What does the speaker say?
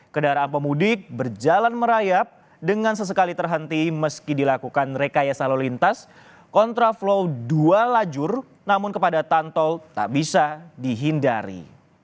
kedaraan pemudik berjalan merayap dengan sesekali terhenti meski dilakukan rekayasa lalu lintas kontraflow dua lajur namun kepadatan tol tak bisa dihindari